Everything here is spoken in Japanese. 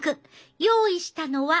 用意したのは卵。